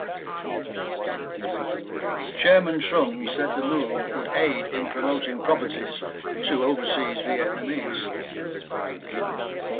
Chairman Trung said the move would aid in promoting properties to overseas Vietnamese.